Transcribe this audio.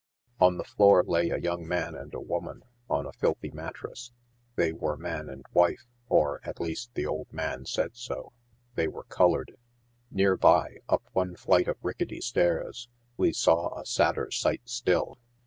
On the floor lay a young man and a woman, on a filthy matfcrass. They were man and wife, or, at least, the old man said so. They were colored. Near by, up one flight of ricketty stairs, we saw a sadder sight still.